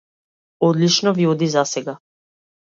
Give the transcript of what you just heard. Одлично ви оди засега.